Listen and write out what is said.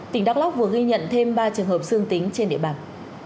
tỉnh đắk lóc vừa ghi nhận thêm ba trường hợp dương tính trên địa bàn